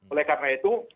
oleh karena itu